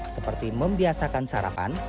seperti membiasakan sarapan